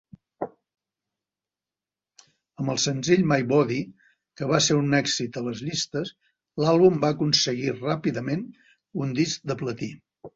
Amb el senzill "My Body", que va ser un èxit a les llistes, l'àlbum va aconseguir ràpidament un disc de platí.